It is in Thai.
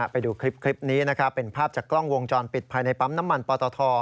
ไปดูคลิปนี้นะครับเป็นภาพจากกล้องวงจรปิดภายในปั๊มน้ำมันปตท